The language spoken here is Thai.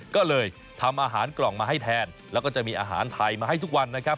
ก็เลยทำอาหารกล่องมาให้แทนแล้วก็จะมีอาหารไทยมาให้ทุกวันนะครับ